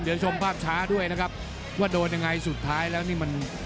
เดี๋ยวชมภาพช้าด้วยนะครับว่าโดนยังไงสุดท้ายแล้วนี่มัน